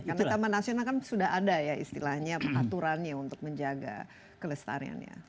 karena taman nasional kan sudah ada ya istilahnya atau aturannya untuk menjaga kelestarian ya